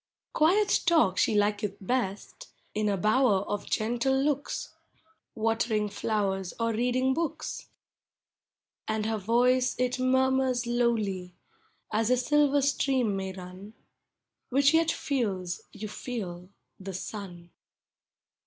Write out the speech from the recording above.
Quiet talk she liketh best, In a bower of gentle looks, — Watering flowers, or reading books. And her voice, it murmurs lowly, As a silver stream may run. Which yet feels, you feel, the sun.